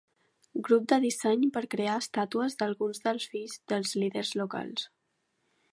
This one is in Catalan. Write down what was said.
Grup de disseny per crear estàtues d'alguns dels fills dels líders locals.